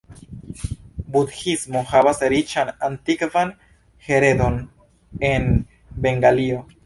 Budhismo havas riĉan antikvan heredon en Bengalio.